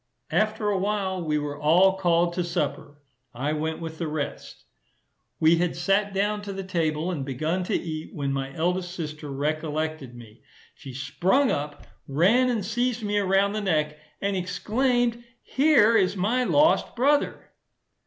After a while, we were all called to supper. I went with the rest. We had sat down to the table and begun to eat, when my eldest sister recollected me: she sprung up, ran and seized me around the neck, and exclaimed, "Here is my lost brother."